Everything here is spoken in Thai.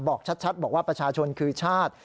บอกชัดบอกว่าประชาชนคือชาติ